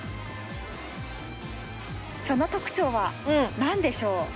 その特徴は何でしょう？